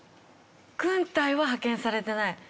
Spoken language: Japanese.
軍隊は派遣されてない。